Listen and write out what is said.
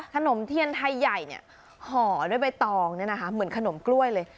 ขนมเทียนไทยใหญ่ห่อด้วยใบตองเหมือนขนมกล้วยเลย